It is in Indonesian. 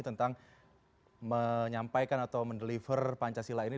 tentang menyampaikan atau mendeliver pancasila ini